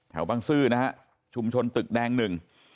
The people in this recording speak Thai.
แถวตงค์ชุมชนตึกแดง๑